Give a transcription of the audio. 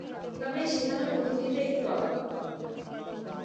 তবে এই শেখানোর পদ্ধতিটা একটু আলাদা।